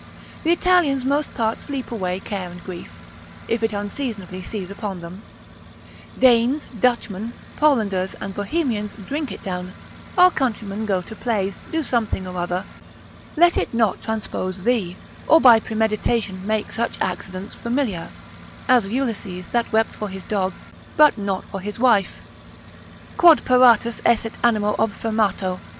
The Italians most part sleep away care and grief, if it unseasonably seize upon them, Danes, Dutchmen, Polanders and Bohemians drink it down, our countrymen go to plays: do something or other, let it not transpose thee, or by premeditation make such accidents familiar, as Ulysses that wept for his dog, but not for his wife, quod paratus esset animo obfirmato, (Plut.